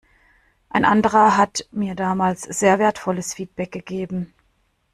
Ein anderer hat mir damals sehr wertvolles Feedback gegeben.